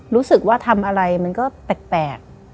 รู้สึกว่าทำอะไรมันก็แปลก